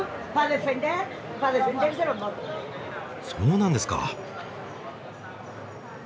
そうなんですか。